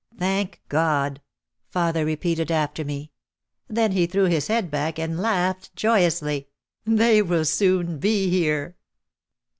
"Thank God!" father repeated after me. Then he threw his head back and laughed joyously. "They will soon be here."